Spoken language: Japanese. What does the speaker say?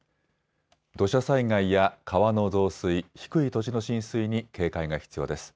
土砂災害や川の増水、低い土地の浸水に警戒が必要です。